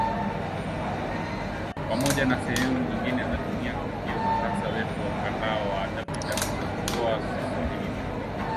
Pamoja na sehemu nyingine za dunia kupitia ukurasa wetu wa mtandao wa www.voaswahili.com